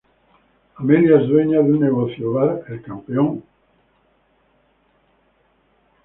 Amelia es dueña de un negocio: Bar "El campeón".